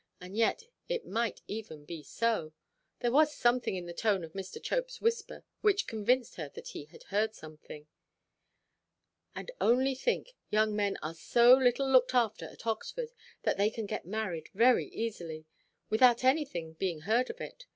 And yet it might even be so. There was something in the tone of Mr. Chopeʼs whisper, which convinced her that he had heard something. And only think; young men are so little looked after at Oxford, that they can get married very easily, without anything being heard of it.